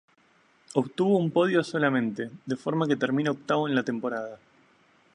Obtuvo un podio solamente, de forma que termina octavo en la temporada.